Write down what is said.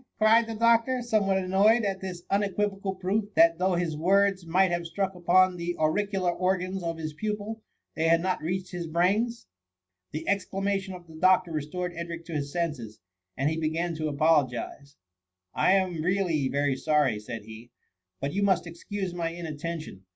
cried the doctor, somewhat annoyed at this unequivocal proof that though his words might have struck upon the auricular organs of his pupil, they had not reached his brains. The exclamation of the doctor restored Edric to his nenses, and he began to apologize. 126 THE MUMMY. •* I am really very sorry,'* said he, " but you must excuse my inattention.